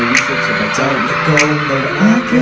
เยี่ยมมาก